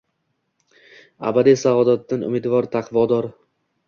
Аbadiy saodatdan umidvor taqvodor…